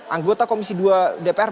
anggota komisi dua dpr